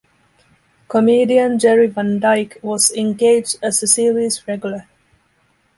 Comedian Jerry Van Dyke was engaged as a series regular.